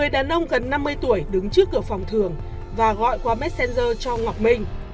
thần năm mươi tuổi đứng trước cửa phòng thường và gọi qua messenger cho ngọc minh